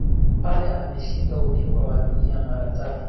pele ameshinda ubingwa wa dunia mara tatu